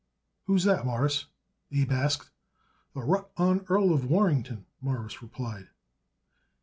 "Who's that, Mawruss?" Abe asked. "The rutt honn Earl of Warrington," Morris replied.